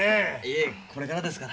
これからですから。